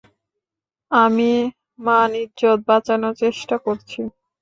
আমি মান ইজ্জত বাঁচানোর চেষ্টা করছি।